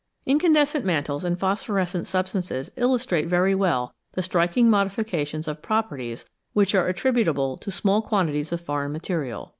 Incandescent mantles and phosphorescent substances illustrate very well the striking modifications of properties which are attributable to email quantities of foreign material.